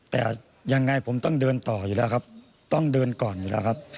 แต่ยังไงผมต้องเดินต่ออยู่แล้วครับต้องเดินก่อนอยู่แล้วครับ